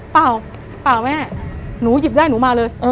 เปล่าเปล่าแม่หนูหยิบได้หนูมาเลย